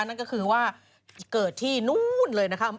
นั่นก็คือว่าเกิดที่นู่นเลยนะคะ